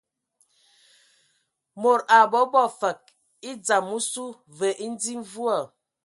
Mod a bobo fəg e dzam osu, və e dzi mvua.